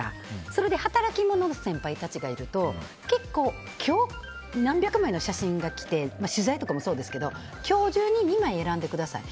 それで働き者の先輩たちがいると結構、何百枚の写真が来て取材とかもそうですけど今日中に２枚選んでください。